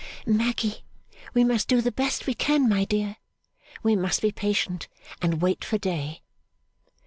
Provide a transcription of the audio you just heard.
'Maggy, we must do the best we can, my dear. We must be patient, and wait for day.